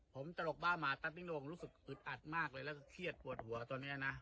ผมตลกบ้ามาตั๊ติ้งลงรู้สึกอึดอัดมากเลยแล้วก็เครียดปวดหัวตอนนี้นะ